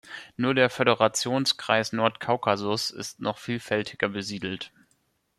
Nur der Föderationskreis Nordkaukasus ist noch vielfältiger besiedelt.